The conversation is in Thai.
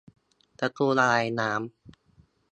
ประตูระบายน้ำ